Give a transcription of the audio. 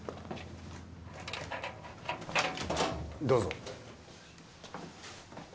どうぞ。